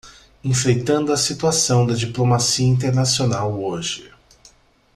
Enfrentando a situação da diplomacia internacional hoje